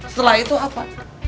setelah itu apa